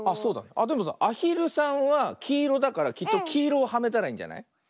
あっでもさアヒルさんはきいろだからきっときいろをはめたらいいんじゃない？